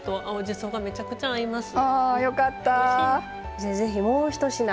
じゃあぜひもう一品